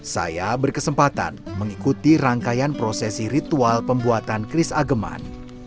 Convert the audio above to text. saya berkesempatan mengikuti rangkaian prosesi ritual pembuatan keris ageman